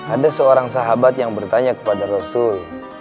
ada seorang sahabat yang bertanya kepada rasul